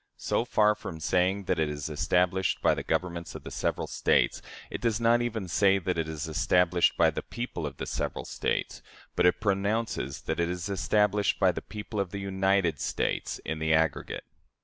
So far from saying that it is established by the governments of the several States, it does not even say that it is established by the people of the several States; but it pronounces that it is established by the people of the United States in the aggregate."